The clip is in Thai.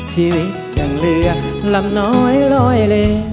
ชีวิตอย่างเรือลำน้อยลอยเล